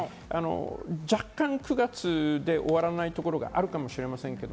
若干９月で終わらないところがあるかもしれませんけど。